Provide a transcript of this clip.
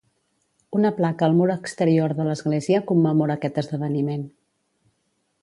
Una placa al mur exterior de l'església commemora aquest esdeveniment.